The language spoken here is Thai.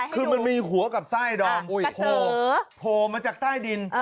คือมันมีหัวกับไส้ดอมโผล่มาจากใต้ดิน